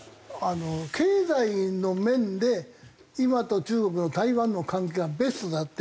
経済の面で今と中国と台湾の関係がベストだって。